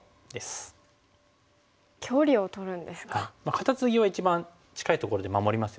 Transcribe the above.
カタツギは一番近いところで守りますよね。